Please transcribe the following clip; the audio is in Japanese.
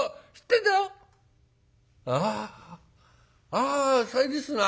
あさいですな」。